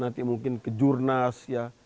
nanti mungkin ke jurnas ya